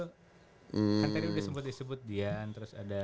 kan tadi udah sempat disebut dian terus ada